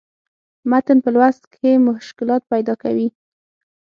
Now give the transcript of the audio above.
متن پۀ لوست کښې مشکلات پېدا کوي